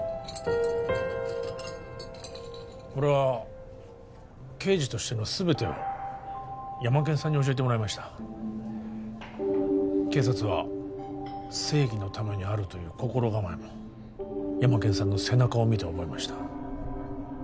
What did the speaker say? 俺は刑事としての全てをヤマケンさんに教えてもらいました警察は正義のためにあるという心構えもヤマケンさんの背中を見て覚えました